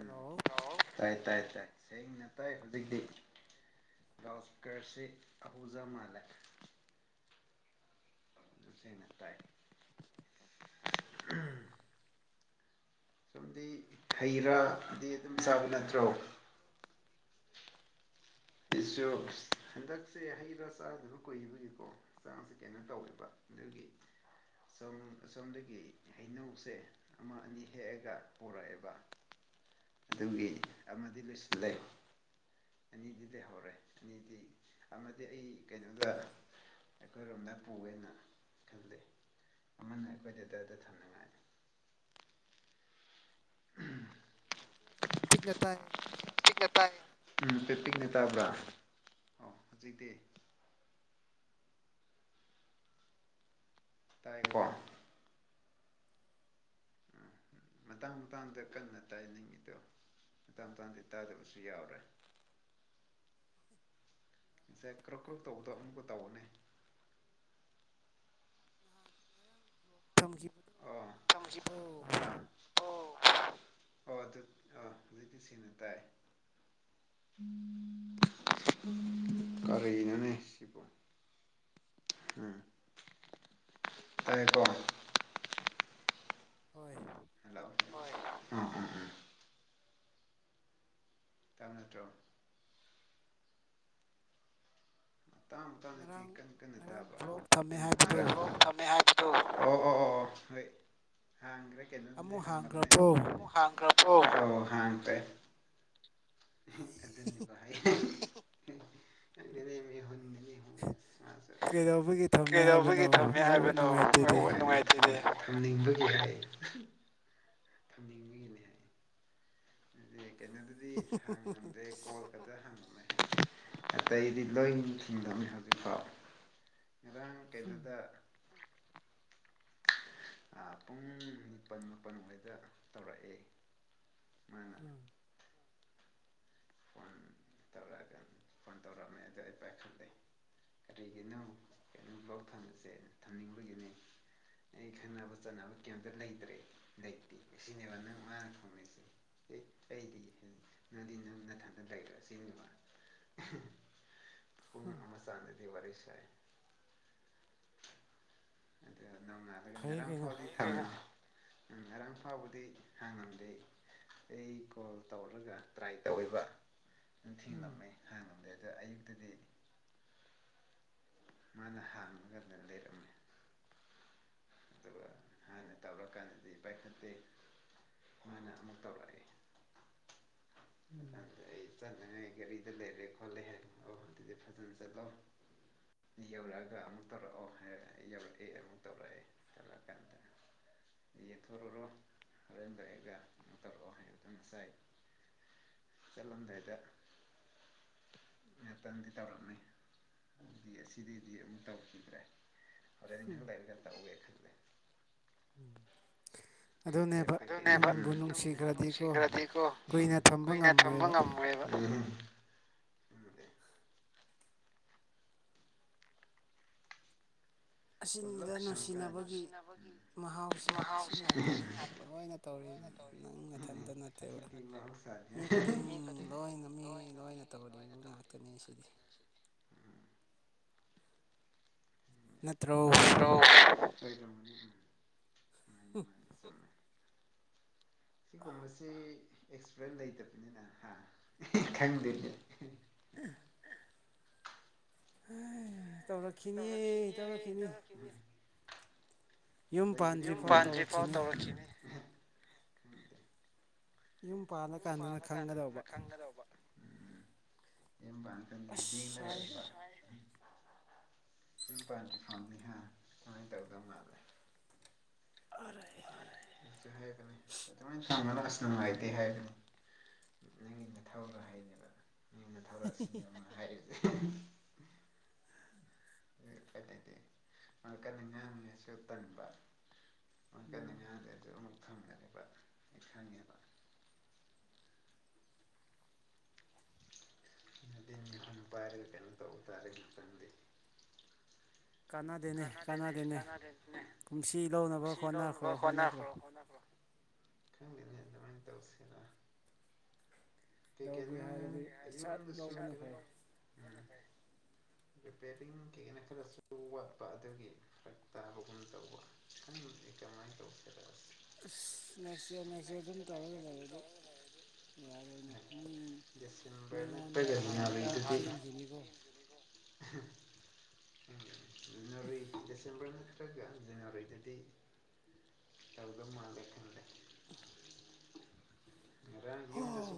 ꯎꯝ ꯇꯥꯏ ꯇꯥꯏ ꯇꯥꯏꯅ ꯇꯥꯏ ꯍꯧꯖꯤꯗꯤ ꯂꯥꯎ ꯀꯔꯁꯤ ꯑꯍꯨꯖꯥ ꯃꯥꯂ ꯇꯥꯏ ꯁꯨꯝꯝꯗꯤ ꯍꯩ ꯔꯥꯗꯤ ꯑꯗꯨꯝ ꯆꯥꯕ ꯅꯠꯇ꯭ꯔꯣ ꯆ ꯍꯟꯗꯛꯁꯦ ꯍꯩꯕ ꯆꯥꯗꯨꯁꯨ ꯀꯨꯏꯕꯒꯤꯀꯣ ꯆꯥꯡꯁꯦ ꯀꯩꯅꯣ ꯇꯧꯋꯦꯕ [unintelligible] ꯁꯣꯝ ꯑꯁꯣꯝꯗꯒꯤ ꯍꯩꯅꯧꯁꯦ ꯑꯃ ꯑꯅꯤ ꯍꯦꯛꯑꯒ ꯄꯨꯔꯛꯑꯦꯕ ꯑꯗꯨꯒꯤ ꯑꯃꯗꯤ ꯂꯣꯏꯁꯤꯜꯂꯦ [unintelligible] ꯑꯃꯗꯤ ꯑꯩ ꯀꯩꯅꯣꯗ ꯑꯩꯈꯣꯏꯔꯣꯝꯗ ꯄꯨꯒꯦꯅ ꯈꯟꯖꯩ ꯑꯃꯅ ꯑꯩꯈꯣꯏꯗꯤ ꯑꯗꯨꯗ ꯊꯝꯅꯤꯡꯉꯥꯏꯅꯤ [unintelligible] [unintelligible] ꯎꯝ ꯄꯦ ꯄꯤꯛꯅ ꯇꯥꯕ꯭ꯔꯥ ꯑꯣ ꯍꯧꯖꯤꯛꯇꯤ ꯇꯀ [unintelligible] ꯃꯇꯥꯡ ꯃꯇꯥꯡꯗ ꯀꯟꯅ ꯇꯥꯏꯅꯤꯡꯉꯤꯗꯣ ꯃꯇꯥꯡ ꯃꯇꯥꯡꯗ ꯇꯥꯗꯕꯁꯨ ꯌꯥꯎꯔꯦ [unintelligible] ꯏꯁꯦ ꯀ꯭ꯔꯛ ꯀ꯭ꯔ ꯇꯧꯕꯗꯣ ꯑꯃꯨꯛꯀ ꯇꯧꯒꯅꯦ ꯑ ꯑꯣ ꯑꯣ ꯑꯗꯨ ꯑꯥ ꯑꯗꯨꯖꯤꯗꯤ ꯁꯤꯅ ꯇꯥꯏ ꯀꯔꯅꯅꯦ ꯁꯤꯄꯣ ꯎꯝ ꯇꯥꯏꯀꯣ ꯍꯣꯏ ꯍꯜꯂꯣ ꯎ ꯎ ꯇꯥꯃꯤꯅꯇꯣ ꯃꯇꯥꯡꯥꯡꯗꯗꯤ ꯀꯟꯅ ꯀꯟꯅ ꯇꯥꯕ ꯎ ꯑꯣ ꯍꯣꯏ ꯍꯥꯡꯈ꯭ꯔꯦ ꯀꯩꯅꯣꯗꯨꯗꯤ ꯍꯥꯡꯕꯅꯦ ꯑꯃꯨꯛ ꯍꯥꯡꯈ꯭ꯔ ꯑꯣ ꯍꯣ ꯍ ꯇꯦ ꯀ ꯍ [unintelligible] [inaudible] [unintelligible] [inaudible] ꯀꯩꯗꯧꯕꯒꯤ ꯊꯝꯃꯦ ꯍꯥꯏꯕꯅꯣ ꯅꯨꯡꯉꯥꯏꯇꯗꯦ [unintelligible] [inaudible] ꯊꯝꯅꯤꯡꯕꯒꯤꯅꯦ ꯍꯥꯏ ꯑꯗꯨꯗꯤ ꯀꯩꯅꯣꯗꯗꯤ ꯍꯪꯉꯝꯗ꯭ꯔꯦ ꯀꯣꯜ ꯈꯛꯇ ꯍꯪꯉꯝꯃꯦ ꯑꯇꯩꯗꯤ ꯂꯣꯏ ꯊꯤꯡꯗꯧꯅꯤ ꯍꯧꯖꯤꯛꯐꯥꯎ ꯉꯔꯥꯡ ꯀꯩꯅꯣꯗ ꯄꯨꯡ ꯅꯤꯄꯜ ꯃꯥꯄꯜꯋꯥꯗ ꯇꯧꯔꯛꯑꯦ ꯎꯝ [unintelligible] [inaudible] ꯐꯣꯟ ꯇꯧꯔꯛꯑꯝꯃꯦ ꯑꯗꯣ ꯑꯩ ꯄꯥꯏ ꯈꯪꯗꯦ ꯀꯔꯤꯒꯤꯅꯣ ꯀꯝ ꯄꯥꯎ ꯊꯁꯦꯅ ꯊꯝꯅꯤꯡꯕꯒꯤꯅꯤ ꯑꯩ ꯈꯪꯅꯕ ꯆꯠꯅꯕ ꯀꯩꯝꯇ ꯂꯩꯇ꯭ꯔꯦ ꯂꯩꯇꯦ ꯁꯤꯅꯦꯕ ꯅꯪ ꯃꯥꯅ ꯊꯣꯡꯅꯁꯦ ꯑꯦ ꯑꯩꯗꯤ ꯅꯗꯤ ꯅꯪꯅ ꯂꯩꯈ꯭ꯔ ꯆ ꯄꯨꯡ ꯑꯃ ꯆꯥꯗꯗꯤ ꯋꯥꯔꯤ ꯁ ꯑ ꯅ ꯉꯔꯒꯅꯔꯝ ꯐ ꯎꯝ ꯉꯔꯥꯡ ꯐꯥꯎꯕꯗꯤ ꯍꯥꯡꯉꯝꯗꯦ ꯑꯩ ꯀꯣꯜ ꯇꯧꯔꯒ ꯇ꯭ꯔꯥꯏ ꯇꯧꯕ ꯅꯤꯡꯊꯤꯡꯂꯃꯦ ꯍꯥꯟꯅ ꯉꯗꯦ ꯑꯗ ꯑꯌꯨꯛꯇꯗꯤ ꯃꯥꯅ ꯍꯥꯡꯉꯒ ꯑꯗꯨ ꯂꯩꯔꯝꯃꯤ ꯑꯗꯨꯒ ꯍꯥꯟꯅ ꯇꯧꯔꯀꯥꯟꯗꯗꯤ ꯄꯥꯏꯈꯠꯇꯦ ꯃꯥꯅ ꯑꯃꯨꯛ ꯇꯧꯔꯛꯑꯦ ꯎꯝ ꯑ ꯑꯗꯨꯗꯤ ꯐꯖꯅ ꯆꯠꯂꯣ ꯌꯧꯔꯛꯑꯒ ꯑꯃꯨꯛ ꯇꯧꯔꯛꯑꯣ ꯌꯧꯔꯛꯑꯦ ꯑꯃꯨꯛ ꯇꯧꯔꯛꯑꯦ [unintelligible] [inaudible] ꯌꯦꯠꯊꯣꯔꯨꯔꯣ ꯍꯣꯔꯣꯏꯦꯟꯗꯔꯛꯑꯒ ꯀꯩꯅꯣ ꯇꯧꯔꯛꯑꯣ ꯍꯥꯏꯕꯗꯣ ꯉꯁꯥꯏ ꯆꯠꯂꯝꯗꯥꯏꯗ ꯉꯇꯪꯗꯤ ꯇꯧꯔꯝꯃꯤ ꯑꯗꯨꯗꯤ ꯑꯁꯤꯗꯩꯗꯤ ꯑꯗꯨꯝꯛ ꯇꯧꯈꯤꯗ꯭ꯔꯦ ꯑꯗꯨꯗꯅꯤꯍꯥꯛ ꯂꯩꯔꯒ ꯇꯧꯒꯦ ꯈ ꯎꯝ ꯑꯗꯨꯅꯦꯕ ꯅꯨꯡꯕꯨ ꯅꯨꯡꯁꯤꯈ꯭ꯔꯗꯤꯀꯣ ꯀꯨꯏꯅ ꯊꯝꯕ ꯉꯝꯃꯣꯏꯕ [unintelligible] [inaudible] ꯎꯝ ꯑꯁꯤꯗ ꯅꯨꯡꯁꯤꯅꯕꯒꯤ ꯃꯍꯥꯎꯁꯦ ꯑꯁꯤ ꯉꯥꯛꯇꯅꯤ ꯂꯣꯏꯅ ꯇꯧꯔꯤ ꯗꯤ ꯅꯪ ꯃꯊꯟꯇ ꯅꯠꯇꯦꯕ ꯃꯤ ꯈꯨꯗꯤꯡ ꯂꯣꯏꯅ ꯃꯤ ꯂꯣꯏꯅ ꯇꯧꯕ ꯂꯩꯨ ꯉꯥꯛꯇꯅꯤ ꯁꯤꯗꯤ ꯅꯠꯇ꯭ꯔ ꯎ [unintelligible] [inaudible] ꯁꯤꯒꯨꯝꯕꯁꯤ ꯑꯦꯛꯁꯄꯔꯦꯟ ꯂꯩꯇꯕꯅꯤꯅ ꯈꯪꯗꯦꯅꯦ ꯑ [unintelligible] [inaudible] ꯇꯧꯔꯛꯈꯤꯅꯤꯌꯦ ꯇꯧꯔꯛꯈꯤꯅꯤ ꯌꯨꯝ ꯄꯥꯟꯗ꯭ꯔꯤꯐꯥꯎ ꯇꯧꯔꯛꯈꯤꯅꯦ ꯌꯨꯝ ꯄꯥꯟꯜꯂꯀꯥꯟꯗꯅ ꯈꯪꯒꯗꯧꯕ ꯑꯦ ꯐ ꯗꯦꯡꯅꯔ ꯏ ꯄꯥꯟ ꯈꯗ ꯍꯥ ꯀꯃꯥꯏ ꯇꯧꯗ ꯃꯥꯦ ꯍꯥꯏꯒꯁꯅꯅꯨꯡꯉꯥꯏꯇ ꯍꯥꯏꯒꯅꯤ ꯅꯪꯒꯤꯗ ꯊꯧꯔ ꯍꯥꯏꯩꯅꯦꯕ ꯃꯤꯅ ꯊꯧꯔꯛꯑꯁꯤꯅꯦꯅ ꯍꯥꯏꯔꯤꯁꯦ ꯃꯀ ꯅꯤꯡ ꯁꯤ ꯇꯅꯤꯡꯝꯕ ꯃ ꯊ ꯗꯤꯟ ꯅꯤꯝ ꯄꯥꯏꯔꯒ ꯀꯩꯅꯣ ꯇꯧꯕ ꯇꯥꯔꯦ ꯉꯥꯛꯇꯪꯗꯤ ꯀꯥꯟꯅꯗꯦꯅꯦ ꯀꯥꯟꯅꯗꯦꯅꯦ ꯀꯨꯝꯁꯤ ꯂꯧꯅꯕ ꯀꯣꯠꯅꯈ꯭ꯔꯣ ꯍꯣꯠꯅꯈ꯭ꯔꯣ ꯈꯪꯅꯦ ꯇꯧꯁꯤꯔ ꯂꯧꯒꯦ ꯍꯥꯏꯔꯗꯤ ꯏꯁꯥꯠ ꯂꯧꯕꯅ ꯐꯩ [inaudible] ꯔꯤꯄꯦꯔꯤꯡ ꯀꯩꯒꯤꯅ ꯈꯔꯁꯨ ꯋꯥꯠꯄ ꯑꯗꯨꯒꯤ ꯐꯔꯛ ꯇꯥꯕꯒꯨꯝ ꯇꯧꯕ [inaudible] ꯑꯁ ꯅꯦꯛꯁ ꯏꯌꯥꯔ ꯅꯦꯛꯁ ꯏꯌꯥꯔ ꯑꯗꯨꯝ ꯇꯧꯔꯒ ꯂꯩꯔꯗꯤ ꯌꯥꯔꯣꯏꯅꯦ ꯇ ꯂꯩ ꯖꯅꯋꯥꯔꯤ ꯗꯤꯁꯦꯝꯝꯕꯔꯅ ꯅꯔꯣꯏꯗꯗꯤ ꯇꯒ ꯃꯥꯜꯂꯦ ꯈꯟꯂꯦ [inaudible] ꯃꯔꯥꯡ ꯌꯨꯝꯗꯁꯨ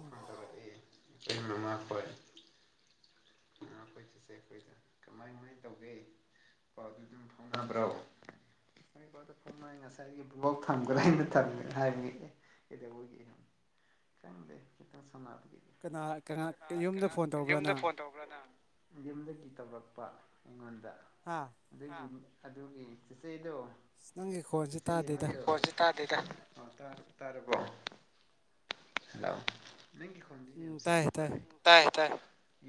ꯏꯆꯤꯟ ꯃꯃꯥ ꯈꯣꯏ ꯑꯩꯈꯣꯏ ꯆꯁꯦ ꯑꯩꯈꯣꯏꯗ ꯀꯃꯥꯏ ꯀꯃꯥꯏꯅ ꯇꯧꯒꯦ ꯊꯥꯎꯕ꯭ꯔꯣ ꯉꯁꯥꯏꯒꯤ ꯕ꯭ꯂꯣꯛ ꯊꯝꯒ꯭ꯔꯥ ꯑꯩꯅ ꯊꯝꯒꯥ ꯍꯥꯏꯕꯒꯤ ꯑꯦ ꯀꯩꯗꯧꯕꯒꯤ ꯀꯇ ꯁꯅꯥ ꯌꯗ ꯐ ꯌꯨꯝꯗꯒꯤ ꯇꯧꯔꯛꯄ ꯑꯩꯉꯣꯟꯗ ꯑꯗꯨꯗꯒꯤ ꯑꯗꯨꯒꯤ ꯆꯤꯆꯗꯣꯆ ꯇ ꯇꯔꯔꯕꯣ ꯍꯂꯣ ꯅꯪ ꯈꯨ ꯇ ꯇꯥꯏ ꯇꯥꯏ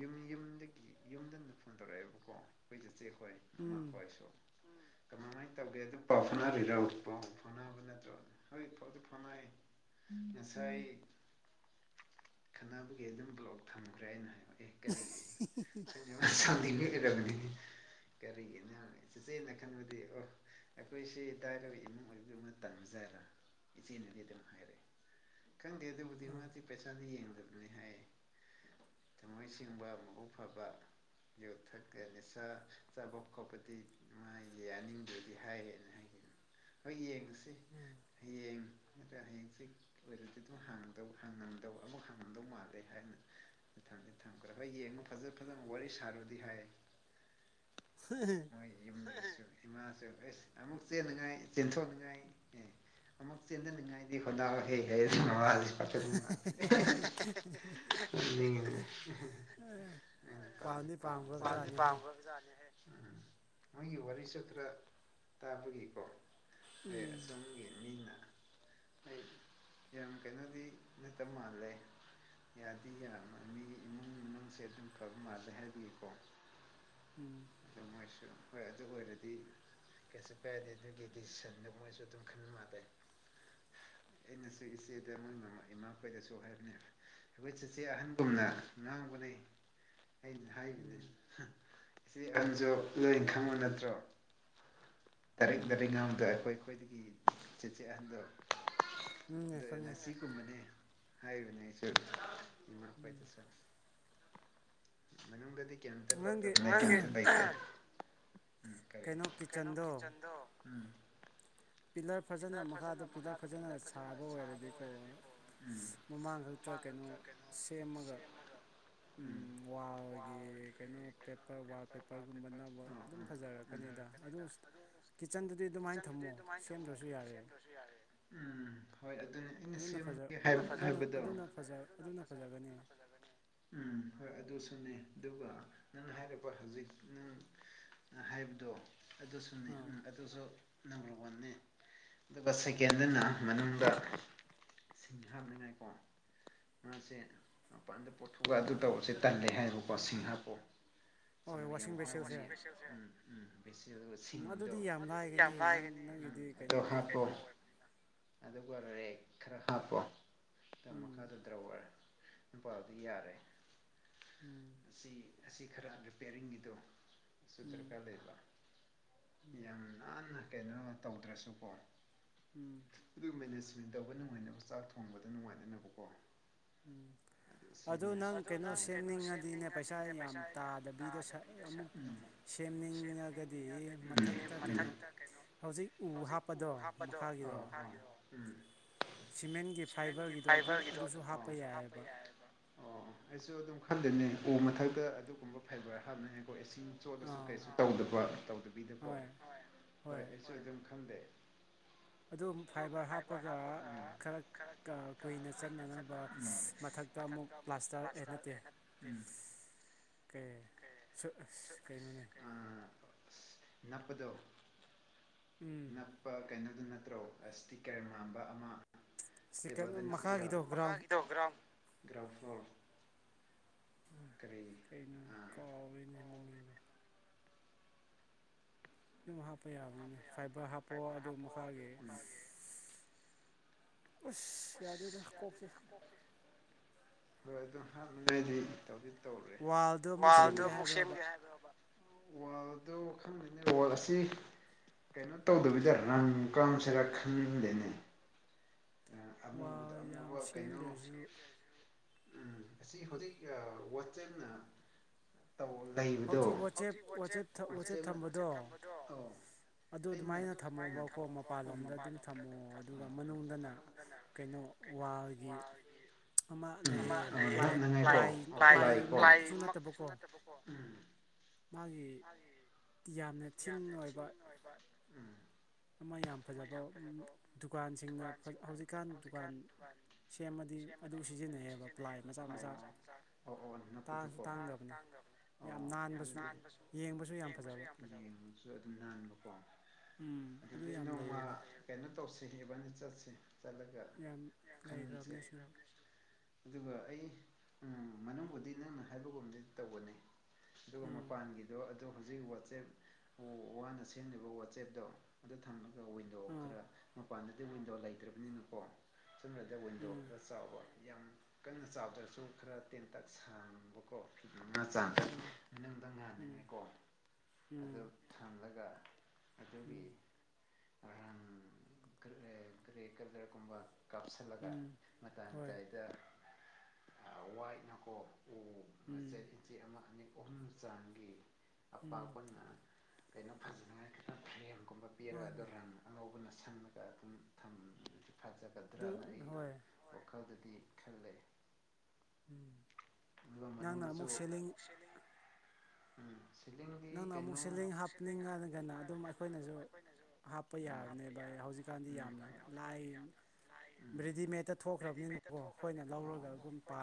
ꯌꯨꯝ ꯌꯨꯝꯗꯒꯤ ꯌꯨꯝꯗꯪꯗ ꯐꯣꯟ ꯇꯧꯔꯛꯑꯦꯕꯀꯣ ꯑꯩꯈꯣꯏ ꯆꯠꯆꯦ ꯍꯣꯏ ꯑꯃꯃ ꯍꯣꯏꯁꯨ [inaudible] ꯀꯃꯥꯏꯅ ꯇꯧꯒꯦ ꯑꯗꯨ ꯄꯥꯎ ꯐꯥꯎꯅꯔꯤꯔ ꯄꯥꯎ ꯐꯥꯎꯅꯕ ꯅꯠꯇ꯭ꯔꯣ ꯍ ꯄꯥꯎ ꯐ ꯉꯁꯥꯏ ꯈꯅꯕꯒꯤ ꯑꯗꯨꯝ ꯕ꯭ꯂꯣꯛ ꯊꯝꯈ꯭ꯔꯦ ꯑꯩꯅ ꯍꯥꯏꯕ ꯂ ꯀꯔꯤꯒꯤꯅꯥꯟ ꯆꯦꯆꯦꯅ ꯈꯟꯕꯗꯤ ꯑꯣ ꯑꯩꯈꯣꯏꯁꯦ ꯏꯗꯥꯥꯏꯔꯕ ꯏꯃꯨꯡ ꯑꯣꯏꯕꯗꯨꯃ ꯇꯝꯖꯔꯥ ꯏꯆꯦꯅꯗꯤ ꯑꯗꯨꯝ ꯍꯥꯏꯔꯛꯑꯦ ꯈꯪꯗꯦ ꯑꯗꯨꯕꯨꯗꯤ ꯃꯥꯗꯤ ꯄꯩꯁꯥꯗꯤ ꯌꯦꯡꯉꯨ ꯆꯤꯡꯕ ꯃꯎ ꯐꯕ ꯌꯨꯊꯛꯀꯅꯤ ꯆꯥ ꯆꯥꯕ ꯈꯣꯠꯄꯗꯤ ꯃꯥ ꯌꯥꯅꯤꯡꯗꯦꯗꯤ ꯍꯥꯏꯔꯦꯅ ꯍꯥꯏꯈꯤꯅꯤ ꯍ ꯌꯦꯡꯉꯨꯁꯤ ꯍꯌꯦꯡ ꯅꯗ꯭ꯔ ꯍꯌꯦꯡꯁꯦ ꯑꯣꯏꯔꯗꯤ ꯑꯗꯨꯝꯥꯡꯉꯝꯗꯧ ꯑꯃꯨꯛ ꯍꯥꯡꯉꯝꯗꯧ ꯃꯥꯜꯂꯦ ꯍꯥꯏ [inaudible] ꯊꯝꯈ꯭ꯔ ꯍꯣꯏ ꯌꯦꯡꯉꯨ ꯐꯖ ꯐꯖꯅ ꯋꯥꯔꯤ ꯁꯥꯔꯨꯔꯗꯤ ꯍꯥꯏ ꯍ ꯏ ꯑꯦ ꯑꯃꯨꯛ ꯆꯦꯟꯅꯉꯥꯏ ꯆꯊꯣꯅꯤꯡꯉꯥꯏ ꯑꯃꯨꯛ ꯆꯦꯟꯖꯅꯤꯡꯉꯥꯏꯗꯤ ꯍꯗꯥ ꯍ ꯍꯥꯏꯉ ꯅꯤ ꯗꯤꯅꯤ ꯍꯥꯏ ꯎꯝ ꯃꯣꯏꯒꯤ ꯋꯥꯔꯤꯁꯨ ꯈꯔ ꯇꯥꯕꯒꯤꯀꯣ ꯑꯦ ꯆꯪꯒꯦꯅꯤꯅ [inaudible] ꯌꯥꯝ ꯀꯩꯅꯣꯗꯤ ꯅꯠꯇꯕ ꯃꯥꯜꯂꯦ ꯌꯥꯗꯤ ꯌꯥꯝ ꯃꯤ ꯏꯃꯨꯡ ꯃꯅꯨꯡꯁꯦ ꯑꯗꯨꯝ ꯈꯕ ꯃꯥꯜꯂꯦ ꯍꯥꯏꯕꯤꯌꯨꯀꯣ ꯎꯝ ꯍꯣꯏ ꯑꯗꯨ ꯑꯣꯏꯔꯗꯤ ꯀꯩꯁꯨ ꯀꯥꯏꯔꯅꯤ ꯑꯗꯨꯒꯤ ꯗꯤꯁꯤꯁꯟꯗ ꯃꯣꯏꯁꯨ ꯑꯗꯨꯝ ꯈꯟ ꯃꯥꯜꯂꯦ ꯑꯩꯅꯁꯨ ꯏꯆꯦꯗ ꯅꯣꯏ ꯏꯃꯥꯈꯣꯏꯗꯁꯨ ꯍꯥꯏꯕꯅꯦ ꯑꯩꯈꯣꯏ ꯆꯆꯦ ꯑꯍꯟꯒꯨꯝꯅ ꯉꯥꯡꯕꯅ ꯑꯩꯅ ꯍꯥꯏꯕꯅꯦ ꯁꯤ ꯑꯍꯟꯁꯨ ꯂꯣꯏ ꯈꯪꯉꯨ ꯅꯠꯇ꯭ꯔꯣ ꯇꯔꯤꯛ ꯇꯔꯤꯛ ꯉꯝꯗ ꯑꯩꯈꯣꯏ ꯑꯩꯈꯣꯏꯗꯤ ꯒꯤ ꯆꯩꯤꯆꯦ ꯑꯍꯟꯗꯣꯗꯔꯅ ꯁꯤꯒꯨꯝꯕꯅꯤ ꯍꯥꯏꯅꯦꯄꯔꯒꯗꯤ ꯀꯩꯅꯣꯆꯟꯗꯣ ꯄꯤꯂꯔ ꯐꯖꯅ ꯃꯈꯥꯗ ꯄꯤꯂꯔ ꯐꯖꯅ ꯁꯥꯕ ꯑꯣꯏꯔꯗꯤꯀꯣ ꯃꯃꯥꯡꯈ ꯈꯨꯠꯇ ꯀꯩꯅꯣ ꯁꯦꯝꯃꯒ ꯋꯥꯜꯒꯤ ꯀꯩꯅꯣ ꯄꯦꯄꯔ ꯋꯥꯜ ꯄꯦꯄꯔꯒꯨꯝꯕꯅꯕ ꯑꯗꯨꯝ ꯐꯖꯔꯛꯀꯅꯤꯗ ꯑꯗꯨ ꯀꯤꯠꯆꯟꯗꯨꯗꯤ ꯑꯗꯨꯃꯥꯏꯅ ꯊꯝꯃꯣ ꯌꯥ ꯎꯝ ꯎꯝ ꯍꯣꯏ ꯑꯗꯨꯅꯦ ꯑꯩꯅ ꯁꯦꯝꯒꯦ ꯍꯥꯏꯕꯗꯣ ꯍꯣꯏ ꯑꯗꯨꯁꯨꯅꯦ ꯑꯗꯨꯒ ꯅꯪ ꯍꯥꯏꯔꯤꯕ ꯍꯧꯖꯤꯛ ꯅꯪ ꯍꯥꯏꯕꯗꯣ ꯑꯗꯨꯁ ꯎꯝ ꯑꯗꯨ [inaudible] ꯑꯗꯨꯒ ꯁꯦꯀꯦꯟꯗꯨꯅ ꯃꯅꯨꯡꯗ ꯁꯤꯡ ꯍꯥꯞꯅꯤꯉꯥꯏꯀꯣ ꯉꯁꯦ ꯃꯄꯥꯟꯗ ꯄꯣꯠꯊꯨꯑꯒ ꯑꯗꯨ ꯇꯧꯔꯁꯦ ꯇꯜꯂꯦ ꯍꯥꯏꯔꯨ ꯀꯣꯁꯤꯡ ꯍꯥꯞꯄꯣꯛ ꯎ ꯁꯤ ꯗꯣꯗꯤ ꯌꯥꯝ ꯂꯥꯏꯒꯅꯤ ꯁꯤ ꯀꯩꯅꯣ ꯑꯣꯏꯕꯅꯤꯅ ꯑꯗꯨꯒ ꯑꯣꯏꯔꯔꯦ ꯈꯔ ꯍꯥꯞꯄꯣ ꯃꯈꯥꯗꯨ ꯗ꯭ꯔꯧ ꯑꯣꯏꯔꯄꯥ ꯌꯥꯔꯦ ꯑꯁꯤ ꯑꯁꯤ ꯈꯔ ꯔꯤꯄꯤꯦꯔꯤꯡꯒꯤꯗꯣ ꯁꯨ ꯗꯔꯀꯥꯔ ꯂꯩꯕ ꯌꯥꯝ ꯅꯥꯟꯅ ꯀꯩꯅꯣ ꯇꯧꯗ꯭ꯔꯁꯨꯀꯣ ꯑꯗꯨ ꯃꯦꯅꯦꯖꯃꯦꯟ ꯇꯧꯕ ꯅꯨꯡꯉꯥꯏꯅꯕ ꯆꯥꯛ ꯊꯣꯡꯕꯗ ꯅꯨꯡꯉꯥꯏꯗꯅꯕꯀꯣ ꯎꯝ ꯑꯗꯨ ꯅꯪ ꯀꯩꯅꯣ ꯁꯦꯝꯅꯤꯡꯉꯗꯤꯅꯦ ꯄꯩꯁꯥ ꯌꯥꯝ ꯇꯥꯗꯕꯤꯗ ꯑꯃꯨꯛ ꯁꯦꯝ ꯅꯤꯡꯉꯒꯗꯤ ꯃꯊꯛꯇ ꯀꯩꯅꯣ ꯍꯧꯖꯤꯛ ꯎ ꯍꯥꯞꯄꯗꯣ ꯃꯈꯥꯒꯤꯗꯣ ꯎꯝ ꯁꯤꯃꯦꯟꯒꯤ ꯐꯥꯏꯕꯔꯒꯤꯗꯣ ꯑꯗꯨꯝ ꯑꯗꯨꯁꯨ ꯍꯥꯞꯄ ꯌꯥꯏꯑꯕ ꯑꯣ ꯑꯩꯁꯨ ꯑꯗꯨꯝ ꯈꯪꯗꯅꯤ ꯎ ꯃꯊꯛꯇ ꯑꯗꯨꯒꯨꯝꯕ ꯐꯥꯏꯕꯔ ꯍꯥꯞꯅꯩꯀꯣ ꯏꯁꯤꯡ ꯆꯣꯠꯂꯁꯨ ꯀꯩ ꯇꯕ ꯇꯗꯕꯤꯗꯣ ꯍꯣꯏ ꯑꯩꯁꯨ ꯑꯗꯨꯝ ꯈꯪꯗꯦ ꯑꯗꯨ ꯐꯥꯏꯕꯔ ꯍꯥꯞꯄꯒ ꯈꯔ ꯀꯨꯏꯅ ꯆꯠꯅꯅꯕ ꯃꯊꯛ ꯇ ꯑꯃꯨꯛ ꯄ꯭ꯂꯥꯁꯇꯔ ꯑꯦ ꯅꯠꯇꯦ ꯀ ꯀꯩꯅꯣꯅꯦ ꯅꯞꯄꯗꯣ ꯅꯞꯄ ꯀꯩꯅꯣ ꯑꯗꯨ ꯅꯠꯇ꯭ꯔꯣ ꯁ꯭ꯇꯤꯀꯔ ꯃꯥꯟꯕ ꯑꯃ [unintelligible] [unintelligible] [unintelligible] [unintelligible] [unintelligible] ꯀꯩꯅꯣ ꯀꯥꯎꯔꯤꯅꯦ ꯃꯃꯤꯡꯗꯣ ꯑꯗꯨꯝ ꯍꯥꯞꯄ ꯌꯥꯕꯅꯤꯅ ꯐꯥꯏꯕꯔ ꯍꯥꯞꯄꯑꯣ ꯑꯗꯨ ꯃꯈꯥꯒꯤ ꯑꯁ ꯌꯥꯗꯦꯗ ꯀꯣꯛꯁꯦ ꯍꯣꯏ ꯑꯗꯨ ꯍꯅꯉꯗꯤ ꯋꯥꯜꯗꯣ ꯑꯃꯨꯛ ꯁꯦꯝꯒꯦ ꯍꯥꯏꯕ꯭ꯔꯔꯕ ꯑꯗꯨ ꯈꯪꯗꯅꯤ ꯔꯜ ꯑꯁꯤ ꯀꯩꯅꯣ ꯇꯧꯗꯕꯤꯗ ꯔꯪ ꯀꯁꯤꯔ ꯈꯟꯗꯦꯅꯦ ꯑꯃꯨꯕꯗ ꯑꯃꯨꯕ ꯀꯩꯅꯣ ꯎꯝ ꯑꯁꯤ ꯍꯧꯖꯤꯛ ꯋꯥꯆꯅ ꯂꯩꯕꯗꯣ ꯍꯧ ꯑꯗꯨ ꯑꯗꯨꯃꯥꯏꯅ ꯊꯝꯃꯣꯕꯀꯣ ꯃꯄꯥꯟꯂꯣꯝꯗ ꯑꯗꯨꯝ ꯊꯝꯃꯣ ꯑꯗꯨꯅ ꯀꯩꯅꯣ ꯋꯥꯜꯒꯤ ꯄ ꯃ ꯁꯨꯅ ꯇꯦ ꯎꯝ ꯃꯥꯒꯤ ꯌꯥꯝꯅ ꯊꯤꯟ ꯑꯣꯏꯕ ꯑꯃ ꯌꯥꯝ ꯐꯖꯕ ꯗꯨꯀꯥꯟꯁꯤꯡꯅ ꯁꯤꯡꯅ ꯍꯧꯖꯤꯛꯀꯥꯟ ꯗꯨꯀꯥꯟ ꯁꯦꯝꯃꯗꯤ ꯑꯗꯨꯝ ꯁꯤꯖꯤꯟꯅꯩꯌꯦꯕ ꯂꯥꯏ ꯃꯆꯥ ꯃꯆꯥ ꯑꯣ ꯑꯣ ꯅ ꯅꯛꯄꯗꯨꯀꯣ ꯍꯇꯥꯡꯗ ꯑꯣ ꯌꯥꯝ ꯅꯥꯟꯕꯁꯨ ꯌꯦꯡꯕꯁꯨ ꯌꯥꯝ ꯐꯖ ꯑꯗꯨ ꯑꯗꯨꯗꯤ ꯅꯧꯃ ꯀꯩꯅꯣ ꯇꯧꯁꯤ ꯍꯦꯕꯅꯤ ꯆꯠꯁ ꯆꯠꯂꯒ ꯈꯟꯁꯦ ꯑꯗꯨꯒ ꯑꯩ ꯃꯅꯨꯡꯕꯨꯗꯤ ꯅꯪꯅ ꯍꯥꯏꯕꯒꯨꯝꯗꯤ ꯇꯧꯒꯅꯤ ꯑꯗꯨꯒ ꯃꯄꯥꯟꯒꯤꯗꯣ ꯑꯗꯣ ꯍꯧꯖꯤꯛ ꯋꯥꯆꯦꯞ ꯋꯥꯅ ꯁꯦꯝꯂꯤꯕ ꯋꯥꯆꯦꯞꯇꯣ ꯑꯗꯨ ꯊꯃ ꯑꯗꯨꯒ ꯋꯤꯟꯗꯣ ꯈꯔ ꯃꯄꯥꯟꯗꯗꯤ ꯋꯤꯟꯗꯣ ꯂꯩꯇ꯭ꯔꯕꯅꯤꯅꯀꯣ ꯁꯨꯝꯅꯗ ꯎꯟꯗꯣ ꯆꯕ ꯌꯥꯝ ꯀꯟꯅ ꯆꯥꯎꯗ꯭ꯔꯁꯨ ꯈꯔ ꯇꯦꯟꯇꯛ ꯁꯕꯀꯣ ꯃꯥ ꯆꯗ ꯉꯥꯅꯤꯡꯉꯩꯀꯣ ꯑꯗꯨ ꯊꯝꯂꯒ ꯑꯗꯨꯒꯤ ꯀ꯭ꯔꯦ ꯀꯗꯔꯒꯨꯝꯕ ꯀꯥꯞꯁꯤꯜꯂꯒ ꯃꯇꯥꯡꯏꯗ ꯋꯥꯏꯅꯀꯣ ꯎ ꯃꯆꯦꯠ ꯏꯟꯆꯦ ꯑꯃ ꯑꯅꯤ ꯑꯍꯨꯝ ꯆꯥꯡꯒꯤ ꯑꯄꯥꯛꯄꯅ ꯀꯩꯅꯣ ꯐꯖꯅꯉꯥꯏ ꯈꯤꯇꯪ ꯐꯦꯝ ꯒꯨꯝꯕ ꯄꯤꯔꯒ ꯑꯗꯣ ꯔꯟ ꯑꯉꯧꯕꯅ ꯁꯪꯕ ꯐꯖꯒꯗ꯭ꯔꯅ ꯑꯩ ꯋꯥꯈꯜꯗꯗꯤ ꯈꯜꯂꯦ ꯑꯗꯨꯒ ꯃꯅꯨꯡꯗꯁꯨ ꯎꯝ ꯅꯣ ꯑꯃꯨꯛ ꯁꯤ ꯍꯥꯞꯅꯤꯡꯉꯥꯏꯔꯒꯅ ꯑꯗꯨꯝ ꯑꯩꯈꯣꯏꯅꯁꯨ ꯍꯥꯄ ꯌꯥꯕ ꯀꯥꯟꯗꯤ ꯌꯥꯝꯅ ꯂꯥꯏ ꯔꯦꯗꯤꯃꯦꯗꯠꯇ ꯊꯣꯛꯈ꯭ꯔꯕꯅꯤꯅꯀꯣ ꯑꯩꯈꯣꯏꯅ ꯂꯧꯔꯒ ꯑꯗꯨꯝ ꯄꯥ